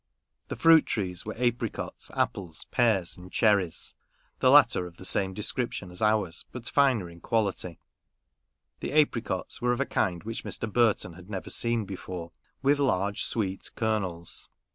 The fruit trees were apricots, apples, pears, and cherries — the latter of the same description as ours, but finer in quality ; the apricots were of a kind which Mr. Burton had never seen before, with large sweet kernels.